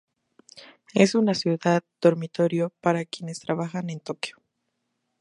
Es una ciudad dormitorio para quienes trabajan en Tokio.